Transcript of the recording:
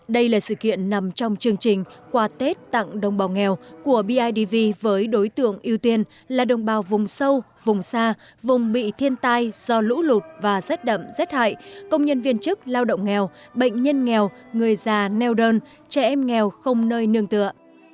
đây là sự kiện nằm trong chương trình quà tết tặng đồng bào nghèo của bidv với đối tượng ưu tiên là đồng bào vùng sâu vùng xa vùng bị thiên tai do lũ lụt và rét đậm rét hại công nhân viên chức lao động nghèo bệnh nhân nghèo người già neo đơn trẻ em nghèo không nơi nương tựa